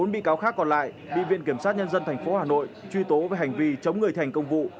bốn bị cáo khác còn lại bị viện kiểm sát nhân dân tp hà nội truy tố về hành vi chống người thành công vụ